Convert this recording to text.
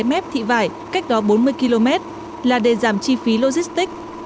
hàng loạt tàu chọn cắt lái để xếp giữ chứ không chọn cái mép thị vải cách đó bốn mươi km là để giảm chi phí logistic